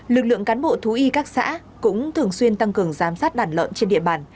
lực lượng cán bộ thú y các xã cũng thường xuyên tăng cường giám sát đàn lợn trên địa bàn